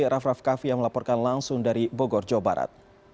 raff raff kaffi yang melaporkan langsung dari bogor jawa barat